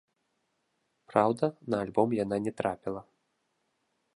Праўда, на альбом яна не трапіла.